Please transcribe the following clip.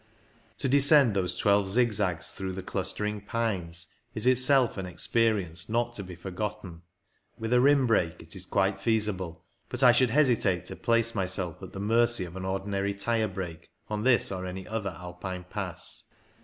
To descend those twelve zigzags through the clustering pines is itself an experience not to be for gotten ; with a rim brake it is quite feasible, but I should hesitate to place myself at the mercy of an ordinary tyre brake on this or any other Alpine Pass.